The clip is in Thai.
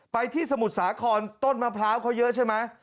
ที่สมุทรสาครต้นมะพร้าวเขาเยอะใช่ไหม